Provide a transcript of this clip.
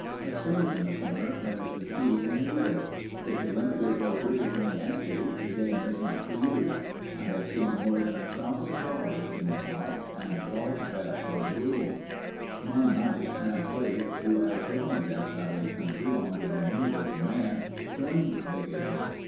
A stove in the corner furnishes heat when needed. If you limit your poker to penny ante, the game is not for you. I have seen more than $1000 in the pots and large bets are the rule. One night Sam Flake who has been in Death Valley country longer than any living man, joined the game.